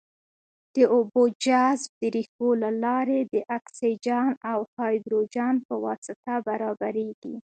د اوبو جذب د ریښو له لارې د اکسیجن او هایدروجن په واسطه برابریږي.